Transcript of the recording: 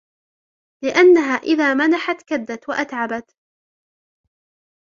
لِأَنَّهَا إذَا مَنَحَتْ كَدَّتْ وَأَتْعَبَتْ